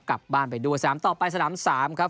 กลับบ้านไปด้วยสนามต่อไปสนาม๓ครับ